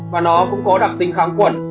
và nó cũng có đặc tính kháng quẩn